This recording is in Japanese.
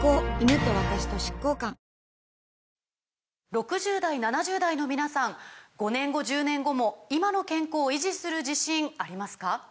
６０代７０代の皆さん５年後１０年後も今の健康維持する自信ありますか？